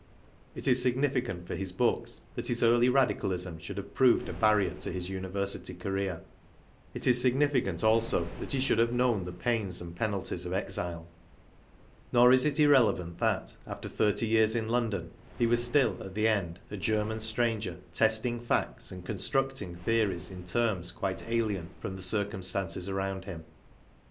It is signi ficant for his books that his early radicalism should have proved a barrier to his university career. It is significant also that he should have known the pains and penalties of exile. Nor is it irrelevant that, after thirty years in London, he was still, at the end, a Ger man stranger testing facts and constructing theories in terms quite alien from the circumstances around him.